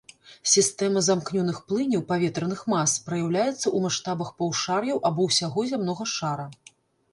Сістэма замкнёных плыняў паветраных мас праяўляюцца ў маштабах паўшар'яў або ўсяго зямнога шара.